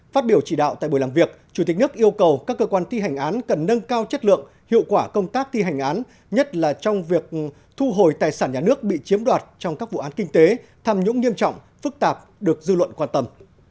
phát biểu chỉ đạo tại buổi làm việc chủ tịch nước yêu cầu các cơ quan thi hành án cần nâng cao chất lượng hiệu quả công tác thi hành án nhất là trong việc thu hồi tài sản nhà nước bị chiếm đoạt trong các vụ án kinh tế tham nhũng nghiêm trọng phức tạp được dư luận quan tâm